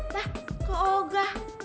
dah kok nggak